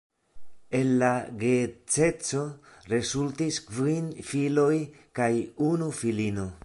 El la geedzeco rezultis kvin filoj kaj unu filino.